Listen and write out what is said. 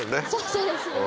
そうですね。